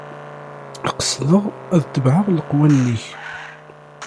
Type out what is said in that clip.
Qesdeɣ ad tebɛeɣ leqwanen-ik.